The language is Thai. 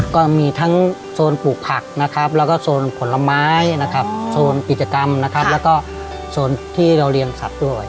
ก็มีทั้งโซนปลูกผักนะครับแล้วก็โซนผลไม้นะครับโซนกิจกรรมนะครับแล้วก็โซนที่เราเลี้ยงสัตว์ด้วย